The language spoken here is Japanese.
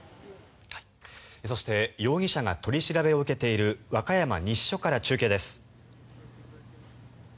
そして容疑者が取り調べを受けている和歌山西署から中継です。